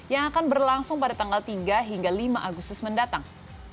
yang akan berlangsung pada tanggal tiga hingga lima agustus mendatang